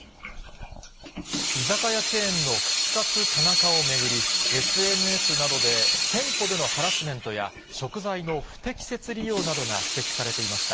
居酒屋チェーンの串カツ田中を巡り、ＳＮＳなどで店舗でのハラスメントや、食材の不適切利用などが指摘されていました。